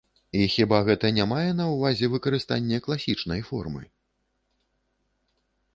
І хіба гэта не мае на ўвазе выкарыстанне класічнай формы?